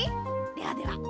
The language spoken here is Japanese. ではでは。